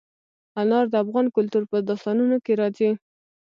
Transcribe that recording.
انار د افغان کلتور په داستانونو کې راځي.